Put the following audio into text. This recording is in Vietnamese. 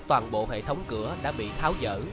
toàn bộ hệ thống cửa đã bị tháo dở